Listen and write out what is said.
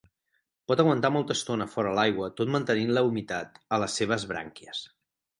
Pot aguantar molta estona fora l'aigua tot mantenint la humitat a les seves brànquies.